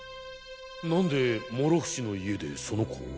なんで諸伏の家でその子を？